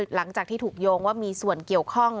หลังจากที่ถูกโยงว่ามีส่วนเกี่ยวข้อง